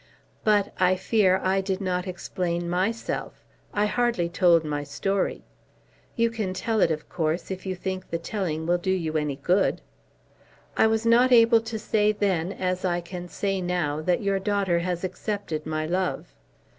"But, I fear, I did not explain myself. I hardly told my story." "You can tell it, of course, if you think the telling will do you any good." "I was not able to say then, as I can say now, that your daughter has accepted my love."